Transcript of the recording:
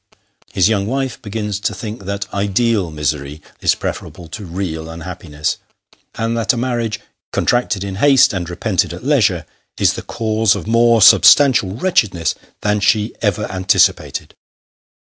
His young wife begins to think that ideal misery is preferable to real unhappiness ; and that a marriage, contracted in haste, and repented at leisure, is the cause of more substantial wretchedness than she ever anticipated.